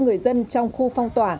người dân trong khu phong tỏa